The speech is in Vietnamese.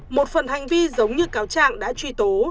một phần hành vi giống như cáo trạng đã truy tố